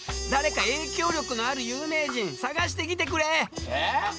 誰か影響力のある有名人探してきてくれ！え！